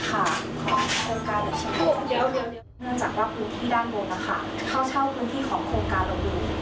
เนื่องจากว่าพื้นที่ด้านบนเข้าเช่าพื้นที่ของโครงการเราอยู่